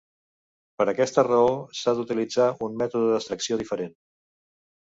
Per aquesta raó, s'ha d'utilitzar un mètode d'extracció diferent.